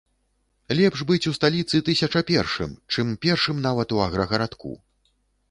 Лепш быць у сталіцы тысяча першым, чым першым нават у аграгарадку.